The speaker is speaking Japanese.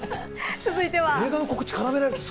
続いては。